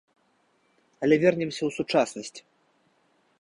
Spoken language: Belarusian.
Але вернемся ў сучаснасць.